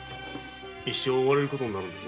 一生追われることになるんだぞ。